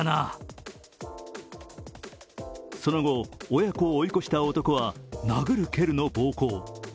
その後、親子を追い越した男は殴る蹴るの暴行。